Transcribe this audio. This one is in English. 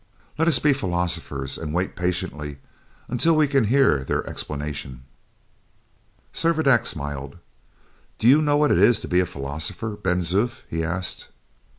"Let us be philosophers, and wait patiently until we can hear their explanation." Servadac smiled. "Do you know what it is to be a philosopher, Ben Zoof?" he asked.